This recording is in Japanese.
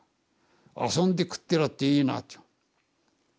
「遊んで食ってらっていいな」っていう。